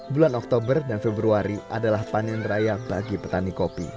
bulan oktober dan februari adalah panen raya bagi petani kopi